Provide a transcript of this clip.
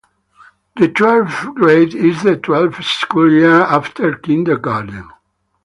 The twelfth grade is the twelfth school year after kindergarten.